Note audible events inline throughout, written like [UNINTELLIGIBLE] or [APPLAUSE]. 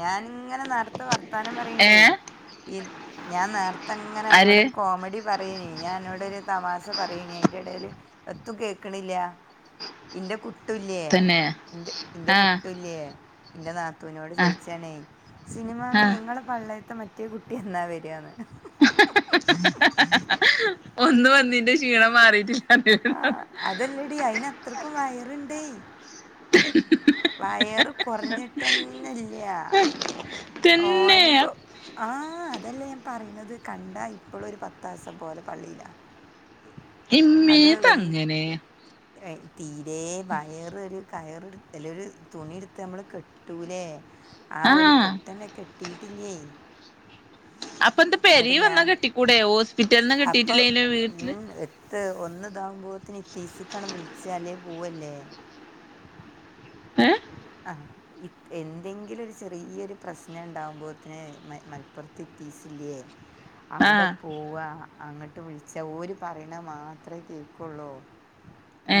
ഞാനിങ്ങനെ നേർത്തെ വർത്താനം ഏ പറയിണ്ടേ ഇ ഞാൻ നേർ തങ്ങനെ ആര് അന്നോടൊരു കോമഡി പറയേനി ഞാൻ അന്നോടൊരു തമാശ പറയേനി അയ്ന്റെ എടേല് എത്തും കേൾക്ക്ണില്ല ഇന്റെ കു ട്ടുല്ല്യേ തന്നെ ഇന്റെ ആ കുട്ടുല്ല്യേ ഇന്റെ നാ തൂനോട് ആ ചോദിച്ചാണേ ആ സിനിമാമെ ങ്ങളെ പള്ളേത്തെ മ റ്റേ കുട്ടി എന്നാ വര് ആന്ന് ഒന്ന് വന്നെയ്ന്റെ ക്ഷീണം മാറിട്ടി ആ അതല്ലെടീ അയിന് അത്രക്കും വയറ്ണ്ടേ വയറ് കൊറഞ്ഞ്ട്ടെന്നെല്ല തന്നെ ഓനിപ്പോ ആഹ് അതെല്ലേ ഞാൻ പറയ്ണത് കണ്ടാ ഇപ്പളും ഒരു പത്താസം പോലെ പള്ളീലാ [UNINTELLIGIBLE] അങ്ങനെ തീരെ വയറ് ഒരു കയറ് എടു അല്ല ഒരു തുണി എടുത്ത് നമ്മള് കെട്ടൂലേ ആ ഒരു കെട്ടനെ കെട്ടീ ട്ടില്ലേ അ പ്പൊ എന്താ പെരയിൽ വന്ന്‌ കെട്ടിക്കൂടെ ഹോസ്പിറ്റലീന്ന്‌ കെട്ടിയിട്ടില്ലങ്കില് വീട്ടില് ഇ ഒന്നിതാകുമ്പോൾ ഇ ത്തീസക്കാണ് വിളിച്ചാത് അല്ലേ പോവല്ലേ ഏ ആ എന്തെങ്കിലും ഒരു ചെറിയൊരു പ്രശ്നം ഉണ്ടാവുമ്പോഴത്തിന് മലപ്പുറത്ത് എത്തീസില്ലേ ആ അവിടെ പോവാ അങ്ങോട്ട് വിളിച്ച ഓര് പറയണ മാത്രമേ കേക്കുള്ളൂ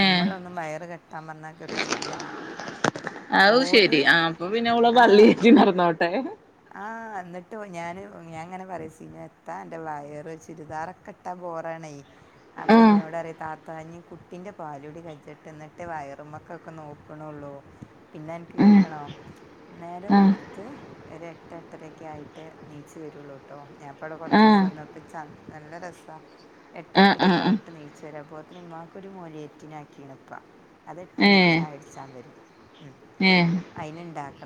ഏ വയറ് കെ ട്ടാൻ പറഞ്ഞാ കെട്ടൂല അത് ശെരി ഓര് ആ അപ്പൊ പിന്നെ അവള് ആ പള്ളീലേക്ക് നടന്നോട്ടെ ട്ട് ഞാന് ഞാനങ്ങനെ പറയും സീനത്താ അൻ്റെ വയറ് ചുരിദാറൊക്കെ ഇട്ടാ ബോറാണേ ആ അപ്പം ഇന്നോട് പറയും താത്ത ഇനി കുട്ടീന്റെ പാല് കുടി കഴിയട്ടെ എന്നിട്ടേ വയറുമ്മേക്കൊക്കെ നോക്കന്നുള്ളൂ പിന്നെ അനക്ക് ആ കേൾക്കണോ നേരം ആ വെളുത്ത് ഒര് എട്ട് എട്ടര ഒക്കെ ആയിട്ടേ എണീച്ച് വരുള്ളൂ കേട്ടോ ഞാനിപ്പോ അവിടെ കുറച്ച് ആ ദിവസം നിന്നപ്പോ ച നല്ല രസവാ എട്ട് ആ ആ എട്ടരയൊക്കെ ആ ആയിട്ട് എണീച്ച് വരും അപ്പോത്തേന് ഉമ്മാക്ക് ഒരു മൗലിയേത്തീനെ ആക്കിയേന് ഉപ്പാ അത് എട്ട് മണിക്ക് ചായ കുടിച്ചാൻ വരും മ്-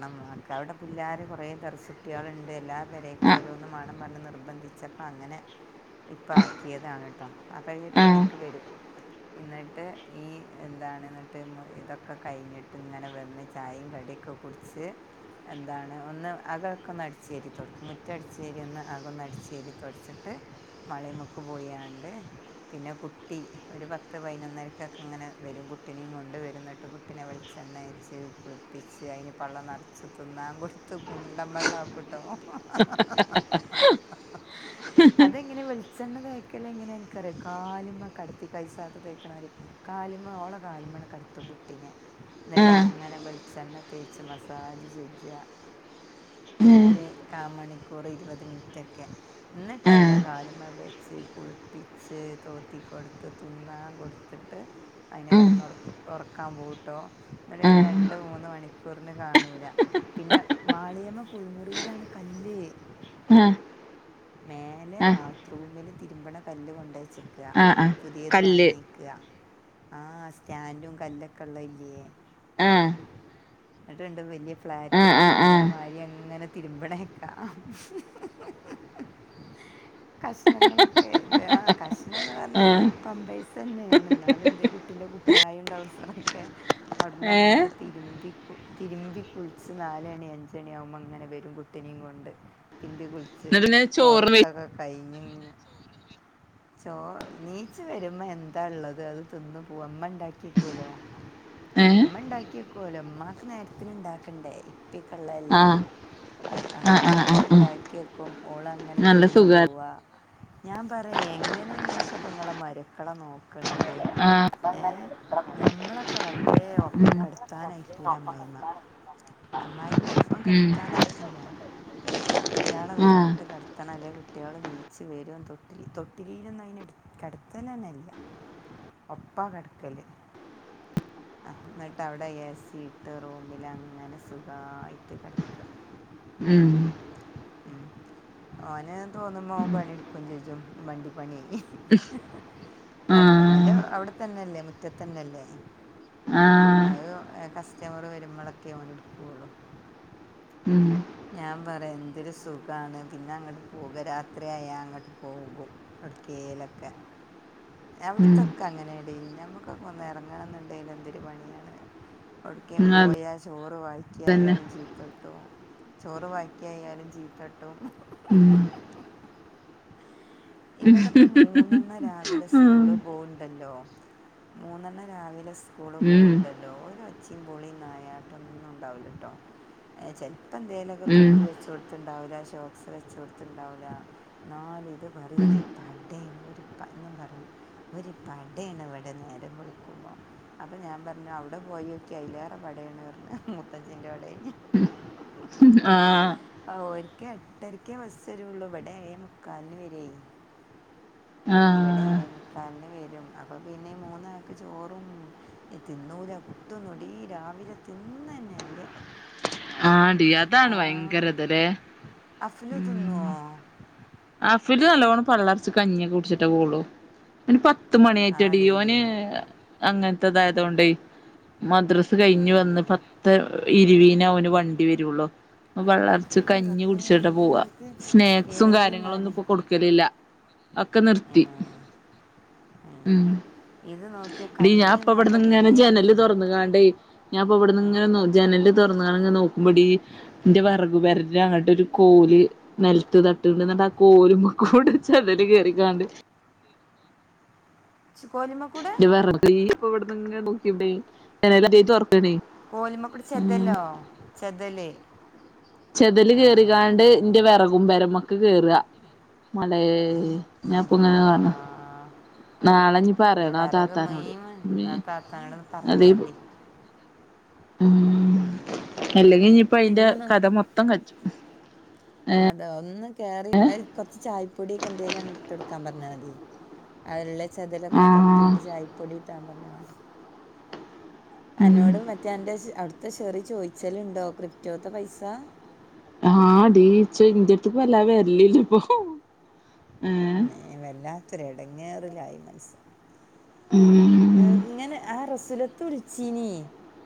ണം അവിടെ പിള്ളേർ കുറേ ദർസുട്ടികളുണ്ട് എല്ലാവരേക്കും ആ ഓരോന്ന് മണം പറഞ്ഞ് നിർബന്ധിച്ചപ്പൾ അങ്ങനെ ഇപ്പൾ ആക്കിയതാണ് കേട്ടോ അപ്പോൾ ആ ആ എട്ട്ണിക്ക് വരും എന്നിട്ട് ഈ എന്താണ് എന്നിട്ട് ഇതൊക്കെ കഴിഞ്ഞിട്ട് ഇങ്ങനെ- അവിടെന്ന് ചായയും കടിയൊക്കെ കുടിച്ച് എന്താണ് ഒന്ന് അകക്ക ഒന്ന് അടച്ച് വാരി തുടക്കും മുറ്റ അടിച്ചേരി ഒന്ന് അകൊന്ന് അടിച്ചേരി തുടച്ചിട്ട് മളയുംമൊക്ക പോയണ്ട് പിന്നെ കുട്ടി ഒരു പത്ത് പതിനൊന്നരക്കൊക്കെ ഇങ്ങനെ വരും കുട്ടിനെയും കൊണ്ട് വരുംന്നിട്ട് കുട്ടിനെ വെളിച്ചെണ്ണ തേച്ച്- ച്ച് കുളിപ്പിച്ച് അതിന് പള്ള നിറച്ച് തിന്നാൻ കൊടുത്ത് കുണ്ടൻ വെള്ളംക്ക്ട്ടോ- അതെങ്ങനെ വെളിച്ചെണ്ണ തേക്കല് എങ്ങനെ എനിക്കറിയ കാലിമ കടത്തി കൈസാത്ത് തേക്കണവര് കാലിമ്മ ഓള കാലുമണ് കടത്തും കുട്ടിനെ എന് ആ എന്നട്ടങ്ങനെ വെളിച്ചെണ്ണ തേച്ച് മസാജ് ചെയച്ച ഒരു കാ മണിക്കൂർ ഇരുപത് മിനിറ്റൊക്കെ എന്നിട്ട് ആ അതിനെ കാലുമ വെച്ച് കുളിപ്പിച്ച് തോത്തി കൊടുത്ത് തിന്നാൻ കൊടുത്തിട്ട് അതിനെ ആ കിടന്ന്റ ഒറക്കാൻ പോവ്ട്ടോ- എന്നട പിന്നെ ആ രണ്ട് മൂന്ന് മണിക്കൂറിന് കാണൂല പിന്നെ മാളിയമ്മ കുളി മുറിയിലാണ് കല്ല് ആഹ് മേലെ ആഹ് ബാത്റൂമില് തിരുമ്പണ കല്ല് കൊണ്ട് വച്ചേക്ക ആഹ് ആഹ് പുതിയത് കല്ല് വാങ്ങിയക്ക- ആ സ്റ്റാൻഡും കല്ലൊക്കെ ഉള്ള ഇല്ലേ- ആഹ് എന്നിട്ടണ്ട് വലിയ ആഹ് ഫ്ലാറ്റ്ന്ന് ആഹ് തിരുമ്പണ ആഹ് മാരി അങ്ങനെ തിരുമ്പണക്കാം കഷണങ്ങളൊക്കെ എത കഷ്- പിന്ന് പറഞ്ഞ ആഹ് പമ്പേഴ്സ്- തന്നെയാണ് എന്നാലും എന്ത കുട്ടീന്റെ കുപ്പായും ഡൗസറൊക്കെ അവിടുന്ന് ഏഹ് അങ്ങനെ തിരുമ്പി തിരുമ്പി കുളിച്ച് നാലണി അഞ്ചണിയ ആകുമ്പോൾ അങ്ങനെ വരും കുട്ടിനെയും കൊണ്ട് മ്പി കുളിച്ച് എന്നിട്ട് പിന്നെ ചോറ് വെ ഓർക്കൊക്കെ കഴഞ്ഞു ചോ നീച്ച വരുമ്പോ എന്താ ഉള്ളത് അത് തിന്ന് പോ ഉമ്മ ഉണ്ടാക്കിക്കൂലോ ഏഹ് മ്മ ഉണ്ടാക്കി കൊലോ ഇമ്മാക് നേരത്തിന് ഉണ്ടാക്കണ്ടേ കുട്ടിക്കള്ളല്ലേ ആഹ് ആ ആഹ് അമ്മ ആഹ് ആഹ് അങ്ങനെ ആഹ് ഉണ്ടാക്കി വക്കും ഓള അങ്ങനെ നല്ല തിന്ന് സുഖാ പോവാ ഞാൻ പറയാ എങ്ങനെ ഇങ്ങളൊക്കെ ഇപ്പ നിങ്ങളെ മരുക്കള നോക്ക് ണത് ആഹ് ഏ നമ്മള ക ഒ ഒപ്പം ഉം കിടത്താനായിക്കൂല അമ്മായിമ്മ അമ്മായിമ്മ ഒപ്പം ഉം കടുത്താനയക്കൂല കുട്ടികളെ ആഹ് വേറിട്ട് കിടത്തണ അല്ലേ കുട്ടികൾ നീച്ചു വരു തൊട്ടിലില് തൊട്ടിലിയിലൊന്നും അയിനെ കിടത്തൽ തന്നല്ല ഒപ്പാ കിടക്കല് ആ എന്നിട്ട് അവിടെ എ സി ഇട്ട് റൂമിൽ അങ്ങനെ സുഖമായിട്ട് കിടക്ക ഉം ഉ ഓന തോന്നുമ്പോ അവൻ പണിയെടുക്കയും ചെയ്യും വണ്ടി പണിയ ഉഹ് വണ്ട ഓന്റെ അവിടെ തന്നെല്ലേ മുറ്റത്തന്നെല്ലേ ആഹ് അത് കസ്റ്റമർ വരുമ്പോഴൊക്കെ അവന എടുക്കുള്ളു ഉം ഞാൻ പറയാ എന്തൊരു സുഖാണ് പിന്നെ അങ്ങോട്ട് പോക രാത്രിയാ അങ്ങോട്ട് പോകും എവിടക്കേലൊക്കെ ഉം അവിടത്തൊക്കെ അങ്ങനെടി ഞമ്മക്കൊക്കെ ഒന്ന് ഇറങ്ങണം ന്ന് ഏനു എന്തൊരു പണിയാണ് എവടക്കേൻ അത് പോയാ ചോ ഇപ്പ ബാക്കി തന്നെ ആയാലും ചീത്തട്ടും ചോറ് ബാക്കി ആയാലും ചീത്തട്ടും ഉം ഇവിടെ ഇപ്പ മൂന്നെണ്ണ രാ വിലെ ഉം സ്കൂള് പോണ്ട്ല്ലോ മൂന്നെണ്ണം രാവിലെ സ്കൂള് ഉം പോണ്ടല്ലോ ഒരു ഒച്ചയും പൊളിം നായാട്ടൊന്നുംണ്ടാവില്ല ട്ടോ ചെലപ്പോ എന്തേലൊക്കെ തൊപ്പി ഉം വെച്ചോടത്ത്ണ്ടാവില്ല ഷോക്സ് വെച്ചോടത്ത് ഇണ്ടാവുല്ല ന്നാലും ഇത് വേറെ ഒരു പടെഒരു പയ്ന്ന് പറഞ്ഞു ഒരു പടയാണ് ഇവിടെ നേരം വെളുക്കുമ്പോ അപ്പോ ഞാൻ പറഞ്ഞു അവിടെ പോയക്ക് അതിലേറെ പടയാണ് പറഞ്ഞ് മുത്തച്ഛൻ്റെ ഓടെ ആഹ് ക്കെ എട്ടരക്കേ ബസ് വരുള്ളൂ ഇവടെ ഏഴെമുക്കാലിന് വ എ ഇവിടെ ആഹ് ഏഴെമുക്കാലന് വരും അപ്പൊ പിന്നെ മൂന്നാക്ക് ചോറും തിന്നൂല പുട്ടൊന്നൊടി രാവിലെ തിന്നന്നല്ല ആ ഡീ അതാണ് ഭയങ്കരതല്ലേ അഫ്ലു തിന്നുവോ ഉം അഫില് നല്ലോണം പള്ളറച്ച് കഞ്ഞിക്കെ കുടിച്ചിട്ടേ പോള്ളു ഓൻ പ ത്ത് മണി ആയിട്ടടി ആടീ ഓന് അങ്ങനത്തെതായതോണ്ടെ മദ്രസ് ഏ കഴിഞ്ഞ് വന്ന് പത്ത് ഇരുവീന അവന് വണ്ടി വരുള്ളു പള്ളർച്ച് ആ കഞ്ഞി റബ്ബേ കുടിച്ചിട്ട ഇത് പോവാ നോക്ക് സ്നാക്സും ഏഴ് കാര്യങ്ങ ങ്ങളൊന്നും മണി ഇപ്പൊ കൊടുക്കലില്ല ഒക്കെ ഏ, നിർത്തി ഏ. ഉം ഇത് നോക്കിയ ടി ഞാപ്പൊ കഞ്ഞൊന്നും ഇവിടന്ന് അപ്പം ഇങ്ങനെ തീരെ ജനല് എനിപ്പോല തൊറന്ന് കണ്ടേ ഞാൻപ്പ ഇവിടുന്ന് ഇങ്ങനെ ജനല് തുറന്നാണങ്ങ് നോക്കുമ്പോ ടീ ഇന്റെ വെറകുപരെടെ അങ്ങട്ട് ഒരു കോല് നെലത്ത് തട്ടണ്ട്ന്ന അതാ കോലുമ്പ കൂടെ ചെതല് കേറിക്കാണ്ട് ച് കോലിമ്മക്കൂടെ ഇപ്പ ഇവിടെ നങ്ങ് നോക്കിവിടെ [UNINTELLIGIBLE] കോലിമക്കുടെ ചെതലോ ചെതല് ചെതല് ആ കേറിക്കാണ്ട് ഇന്റെ വിറകും പരമ്ക്ക് കേറുക മലയേ അള്ളാ നാളെ ഞീ പറയണം ആ താത്താനോട് മെയിൻ ഞ്ഞി ഞാൻ താത്താനോട് പറഞ്ഞാണ്ടി ഉം അല്ലെങ്കി ഞിപ്പ അയിൻ്റെ പിന്നൊന്ന് കഥ മൊത്തം കജും അതെ ഒന്ന് കയറി അ കുറച്ച് ചായ പൊടീക്കെ എന്തെലുണ് ഇട്ട് കൊടുക്കാൻ പറഞ്ഞാൽ മതി അതെ ല്ലെ ചെതലൊക്ക ആഹ് തട്ടിട്ട് ചായപ്പൊടി റ്റമ്പറഞ്ഞ മതി ഉം അനോടും മറ്റേ അന്റെ ശ് അവിടു ത്തെ ഷെറി ചോദിച്ചല്ണ്ടോ ക്രിപ്റ്റോത്തെ പൈസ ആഹ് ടീ ച്ചെ ഇ ജെടുത്ത് വല്ലാതെ വരലില്ല ഇപ്പൊ ഏഹ് വല്ലാത്തൊരു ഇടങ്ങേറിലായി [UNINTELLIGIBLE] ഉം ഇങ്ങനെ ആ റസ്സില തുളച്ചീന്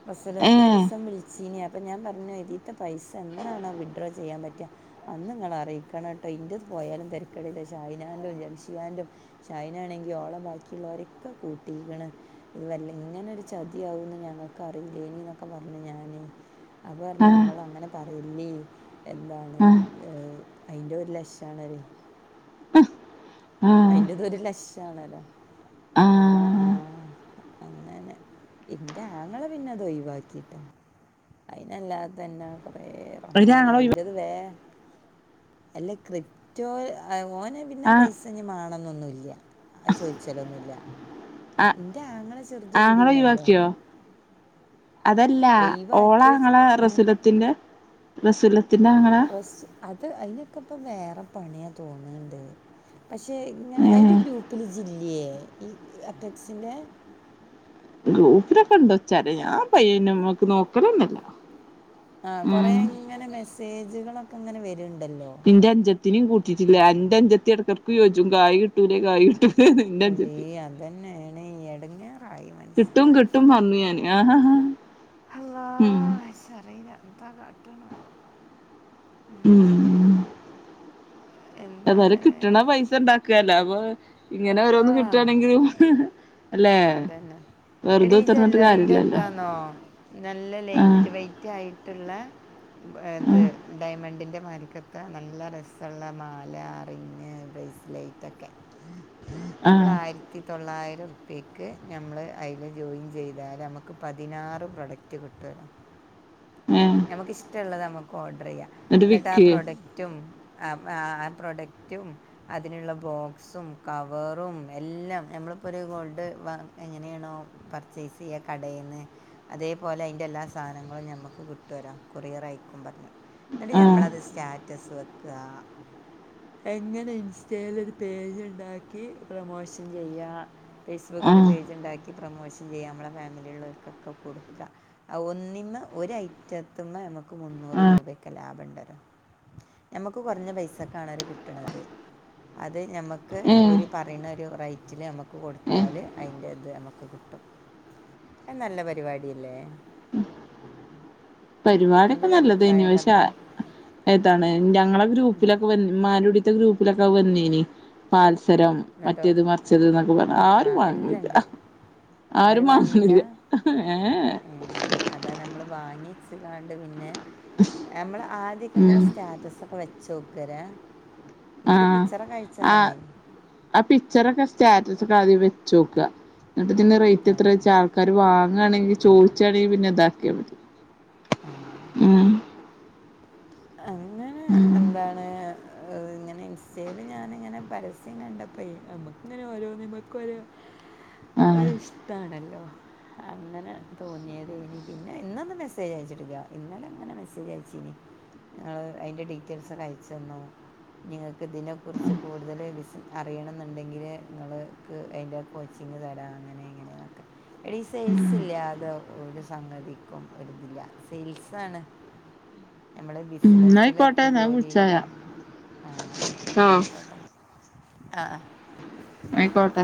പ്രസരത്ത ഏഹ് ഒരുരിസം വിളിച്ചീന അപ്പൊ ഞാൻഞ്ഞു ത്തെ പൈസ എന്നാണോ വിഡ്രോ ചെയ്യാൻ പറ്റും അന്ന് നിങ്ങള അറിയിക്കണം കേട്ടോ ഇന്ത്യത്ത് പോയാലും തിരക്കടയില ഷായി നാന്റും ജംഷിയാൻറും ഷായി നാ ണെങ്കിൽ ഓളം ബാക്കിയുള്ളവരൊക്കെ കൂട്ട കിട്ടീ ഇത് വല്ല ഇങ്ങനെ ഒരു ചതിയാകന്ന് ഞങ്ങൾക്ക് അറിയില്ലേന എന്നൊക്കെ പറഞ്ഞഞ് ഞാനേ അവ പറഞ്ഞു ആഹ് നിങ്ങൾ അങ്ങനെ പറയില്ല [UNINTELLIGIBLE] എന്താണ് ആഹ് ഏ. അയിന്റെ ലക്ഷണരി ആഹ് അയിന്റെ തൊരു ലക്ഷ [UNINTELLIGIBLE] ഞാ ആഹ് ആഹ അങ്ങനെ എന്റെ ആങ്ങളെ പിന്നെ അത് ഒഴിവാക്കിട്ടോ അയിനല്ലാതെ തന്നെ കുറേ ഒര് റഹ്മാനെ ആങ്ങള ഒഴിവാ അയിന്റേത് വേ അല്ല കൃപ്പ് റ്റോഓന് [UNINTELLIGIBLE] ആഹ് പൈസ് കാണന്നൊന്നുമല്ല ആ ചോദിച്ചലൊന്നുമല്ല ആ ആങ്ങളെയ് വാക്കിയോ അതല്ല ഒഴിവാക്കിയ ചെ- ഓളാങ്ങളെ റസുലത്തിന്റെ റസുല് സ് അത് അയ്നിപ്പാെക്കെ വേറെ പണിയാ തോന്ന്ണ്ട് പ പക്ഷെ ങ്ങനെ ഏ അയ്ന്റെ ഗ്രൂപ്പിൽ ജി എ ഈ അപ്പെക്സിന്റെ ഗ്രൂപ്പ്ലൊക്കെണ്ടാെ ച്ചരി ഞാൻ പയ്യന്ന്മക്ക് നോക്കലന്നല്ല ആ കൊറേ ങ്ങനെ മെസ്സേജ്കളൊ ക്കെങ്ങനെ വര് ടല്ലോ ത്തിനും അഞ്ചത്തിനിം കൂട്ടിച്ച്ക്ക്ണ് ഇന്റെ അഞ്ചത്തി എടക്കെക്ക് ചോയ്ച്ചും കായി കിട്ടൂലേ കായി കിട്ടൂ എടീ അതന്നേണേ ഈ എടങ്ങേറായി മൻസ്ൻ ആ ഹ ഹാ ഹള്ളാ ഇച്ചറീല ത്താ കാട്ട്ണാവോ ഉം ഉം എതാലും എന്താണ് കിട്ട്ണ പൈസ ഇണ്ടാക്ക അലാ വഹ് ആ അല്ലെ അതന്നെ എടി വെറുതെ കുത്തിർന്നിട്ട് കാര്യല്ലല്ലോ ജ്വല്ലറിന്റെത്താന്നോ നല്ല ആഹ് ലേയ്റ്റ് വെയ്റ്റ് ആയി ട്ട്ള്ളെ പ ത് ആഹ് ഡയമൺ ണ്ടിന്റെ മാരിക്കത്ത നല്ല രസള്ള മാല റിങ് ബ്രേസ്ലേറ്റൊക്കെ നമ്മൾ ആഹ് ആയിരത്തി തൊള്ളായി രം ഉർപ്പ്യക്ക് ഞമ്മള് അയ്ൽ ജോയിൻ ചെയ്താല് അമക്ക് പതിനാറ് പ്രൊഡക്റ്റ് കിട്ടോല്ലോ ഏഹ് ഞമ്മക്കിഷ്ടള്ളത് നമ്മ ഓഡ് റെയ്യ എന്നിട്ട് ഇന്നട്ടാ വിക്കേ പ്രോഡക്റ്റും അ ആ പ്രൊഡക്റ്റും അതിനുള്ള ബോക്സും ക വറും എല്ലാം ഞമ്മളിപ്പൊരു ഗോൾഡ് വ എങ്ങനെണോ പർച്ചേസ് ചെയ്യാ കടേന്ന് അതേപോലെ അയ്ൻ്റെ എല്ലാ സാധനങ്ങളും ഞമക്ക് കിട്ടോലോ കൊറിയറയ്ക്കും പറ്ഞ്ഞ് ന്നട്ട് ആഹ് ഞമ്മളത് സ്റ്റാറ്റസ് വെ ക്ക എങ്ങനെ ഇൻസ്റ്റേൽ ഒരു പേജ് ണ്ടാ കി പ്രമോഷൻ ചെയ്യാ ഫേസ്ബുക്കില് ആഹ് പേജ്ണ്ടാ പ്രമോഷൻ ചെയ്യാം നമ്മളെ ഫാമിലി ള്ളോൽക്കൊക്കെ കൊടുക്ക ഒന്നിമ്മെ ഒരയ്റ്റത്ത്മ്മെ നമക്ക് മുന്നൂറ് രൂപൊക്കെ ലാഭംണ്ടലോ ഞമ്മക്ക് കാെറഞ്ഞ പൈസക്കാണോലോ കിട്ട്ണത് അത് ഞമ്മക്ക് ഏഹ് ഓര് പറയ്ണെ ഒരു റേറ്റില് നമുക്ക് ഏഹ് കൊടുത്താല് അതിന്റെ ഇത് നമുക്ക് കിട്ടും നല്ല പരിപാടില്ലേ പരിപാടിയൊക്കെ നല്ലത് ന്നെ പക്ഷെ പറഞ്ഞാൽ ഏതാണ് ഞങ്ങളെ ഗ്രൂപ്പിലൊക്കെ വന്ന് ഇമ്മാന്റുടി ഗ്രൂപ്പിലൊക്കെ അത് വന്നീനി സരം ന്നട്ടോ മറ്റേത് മർച്ചത് ന്നൊക്കെ ആ പർന് ആ ആരും വാങ്ങുല്ല എല്ലാണ്ട് ആരും വാരി വാങ്ങീല്ല വാങ്ങണ്ല്ല ഏ ച്ച ക്കാണ്ട് പിന്നെ നമ്മൾ ആദ്യക്കെ ഇങ്ങനെ ഉം സ്റ്റാറ്റസ് ഒക്കെ വെ ചോക്കല്ലേ എനിക്ക് ആഹ് പിക്ച്ചർ ഒക്കെ അയച്ചന്ന്ണ് ആഹ് ആ പിക്ചറൊക്കെ സ്റ്റാറ്റസ് ഒക്കെ ആദ്യം വെച്ചോക്ക എന്നട്ട്തിന്റെ റേറ്റ് ആ എത്ര ചോയ്ച്ചാ ആൾക്കാര് വാ വാങ്ങാണെങ്കിൽ ചോയ്ച്ചാണെങ്കിൽ പിന്നെ ഇതാക്കിയാ മതി ആ ഉം അങ്ങനെ ഉം എന്താണ് ഇങ്ങനെ ഇൻസ്റ്റേൽ ഞാനിങ്ങനെ പരസ് കണ്ടപ്പ നമ്മക്ക ഇങ്ങനെ ഓരോ മ്മക്ക് ഓരോ ഒരു ആഹ് ഇഷ്ടാണല്ലോ അങ്ങനെ തോന്നിയത് ഇനി പിന്നെ ഇന്നൊന്ന മെസ്സേജ് അയച്ചിട്ടില്ല ഇന്നലെ അങ്ങനെ മെസ്സേജ് അയച്ചീനി ങ്ങള് അതിന്റെ ഡീറ്റെയിൽസ് ക്കെ അയ്ച്ചന്നു ഇനി ങ്ങൾക്ക് ഇതിനെ കുറിച്ച് കൂടുതൽ അറിയണം ന്നുണ്ടെങ്കില് നിങ്ങള് ക്ക് അയിന്റെ കോച്ചിങ് തരാം അങ്ങനെ ഇങ്ങനെൊക്കെ എടി സെയിൽസ് ഇല്ലാതെ ഒരു സംഗതിക്കും ഒരുതില്ല. സെയിൽസ് ആണ് നമ്മള് ഉം എന്നാ ബിസിനസിലൊക്കെ ആയിക്കോട്ടെ ഞാൻ വിളിച്ചാ ജോലിയിലൊക്കെ ആഹ ആഹ് എന്നായിക്കോട്ടന്ന് അ ആ ആയിക്കോട്ടെ